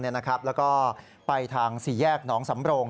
แล้วก็ไปทางสี่แยกหนองสำโรง